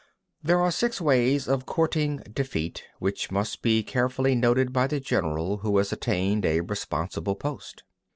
20. These are six ways of courting defeat, which must be carefully noted by the general who has attained a responsible post.